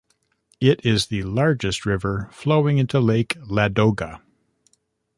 It is the largest river flowing into Lake Ladoga.